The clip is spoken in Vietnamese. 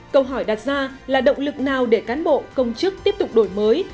câu hỏi đặt ra là động lực nào để cán bộ công chức tiếp tục đổi mới